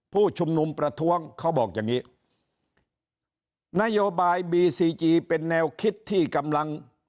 ผู้ชุมนุมประท้วงเขาบอกอย่างงี้นโยบายบีซีจีเป็นแนวคิดที่กำลัง